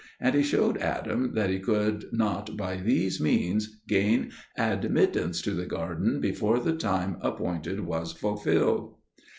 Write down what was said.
And he showed Adam that he could not by these means gain admittance to the garden before the time appointed was fulfilled.